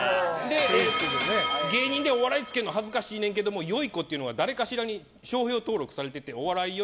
芸人でお笑いってつけるの恥ずかしいねんけどよゐこというのは誰かしらに商標登録されててお笑いよ